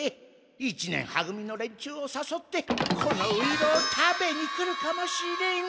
一年は組の連中をさそってこのういろうを食べに来るかもしれん。